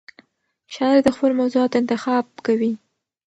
شاعر د خپلو موضوعاتو انتخاب کوي.